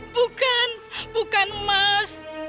bukan bukan emas